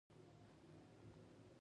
د غزني څخه محلي پوځیان ورسره روان کړل.